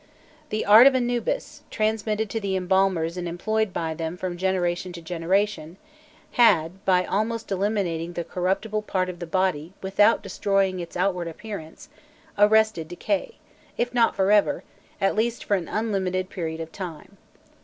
The art of Anubis, transmitted to the embalmers and employed by them from generation to generation, had, by almost eliminating the corruptible part of the body without destroying its outward appearance, arrested decay, if not for ever, at least for an unlimited period of time.